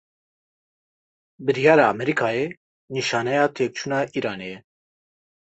Biryara Emerîkayê, nîşaneya têkçûna Îranê ye